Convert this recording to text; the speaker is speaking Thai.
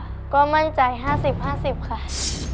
ตัวเลือกที่สี่นายชาญชัยสุนทรมัตต์